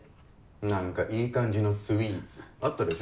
何かいい感じのスイーツあったでしょ？